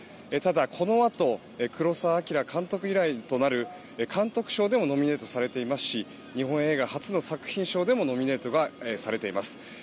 ただ、このあと黒澤明監督以来となる監督賞でもノミネートされていますし日本映画初の作品賞でもノミネートがされています。